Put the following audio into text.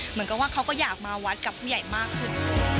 เหมือนกับว่าเขาก็อยากมาวัดกับผู้ใหญ่มากขึ้น